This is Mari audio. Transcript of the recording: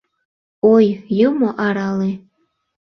Ой, юмо арале!